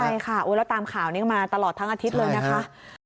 ใช่ค่ะแล้วตามข่าวนี้มาตลอดทั้งอาทิตย์เลยนะคะ